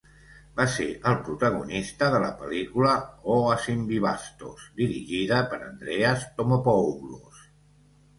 Va ser el protagonista de la pel·lícula "O Asymvivastos", dirigida per Andreas Thomopoulos.